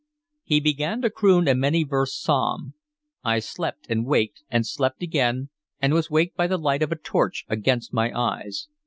He began to croon a many versed psalm. I slept and waked, and slept again, and was waked by the light of a torch against my eyes.